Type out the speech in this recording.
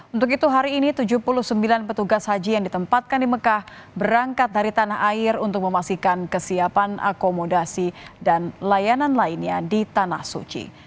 untuk itu hari ini tujuh puluh sembilan petugas haji yang ditempatkan di mekah berangkat dari tanah air untuk memastikan kesiapan akomodasi dan layanan lainnya di tanah suci